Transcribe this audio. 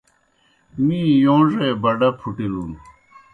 می یوݩڙے بَڈَا پُھٹِلُن۔